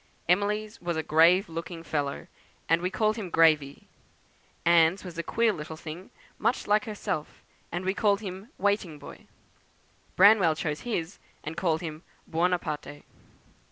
Emily's was a grave looking fellow, and we called him 'Gravey.' Anne's was a queer little thing, much like herself, and we called him 'Waiting Boy.' Branwell chose his, and called him 'Buonaparte.'"